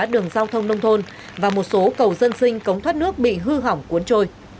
đường giao thông nông thôn và một số cầu dân sinh cống thoát nước bị hư hỏng cuốn trôi